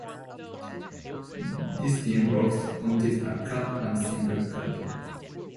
This tin box contains a cup and simple cutlery.